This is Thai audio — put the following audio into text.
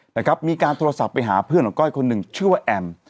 นะครับมีการโทรศัพท์ไปหาเพื่อนของก้อยคนหนึ่งชื่อว่าแอม